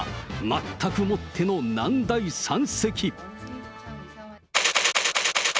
全くもっての難題山積。